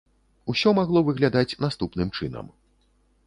Усё магло выглядаць наступным чынам.